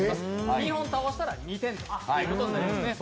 ２本倒したら２点ということになりますね。